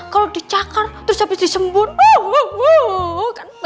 kalau dicakar terus habis disembunyi